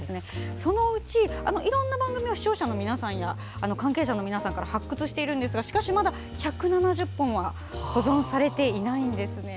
そのうちいろんな番組を視聴者の皆さんや関係者の皆さんから発掘しているんですがしかしまだ、１７０本は保存されていないんですね。